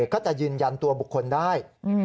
ก็จะยืนยันตัวบุคคลได้